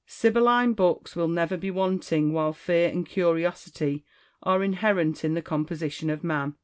Sibylline books will never be wanting while fear and curiosity are inherent in the composition of man.